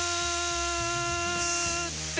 って